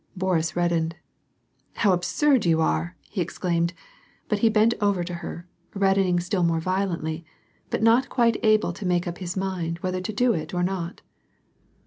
Boris reddened. " How absurd you are !" he exclaimed, but he bent over to her, reddening still more violently, but not quite able to make up his mind whether to do it or not.